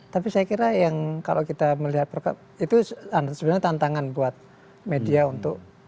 tapi saya kira yang kalau kita melihat itu sebenarnya tantangan buat media untuk